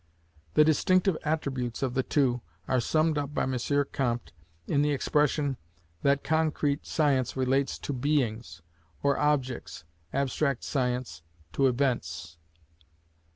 The distinctive attributes of the two are summed up by M. Comte in the expression, that concrete science relates to Beings, or Objects, abstract science to Events.